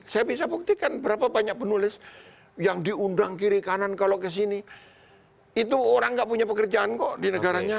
saya bisa buktikan berapa banyak penulis yang diundang kiri kanan kalau kesini itu orang nggak punya pekerjaan kok di negaranya